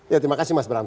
ya terima kasih mas bram